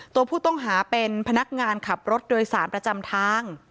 ตัวผู้ต้องหาเป็นพนักงานขับรถโดยสารประจำทาง